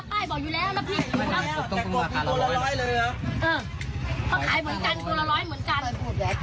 เป้าคือ๑๐๐เหมือนกัน